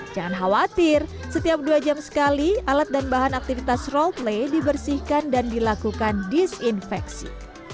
jangan khawatir setiap dua jam sekali alat dan bahan aktivitas roldplay dibersihkan dan dilakukan disinfeksi